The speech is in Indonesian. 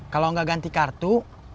kalau gak ganti kartu